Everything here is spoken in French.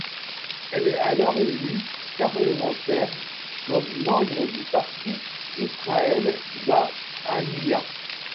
Elle est alors élue parlementaire comme membre du parti Yisrael Ba'aliyah.